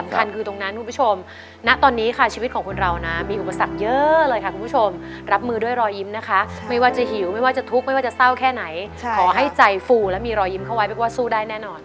ขอให้ใจฟูแล้วมีรอยยิ้มเข้าไว้เพราะว่าสู้ได้แน่นอน